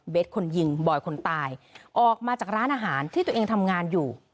คนยิงบอยคนตายออกมาจากร้านอาหารที่ตัวเองทำงานอยู่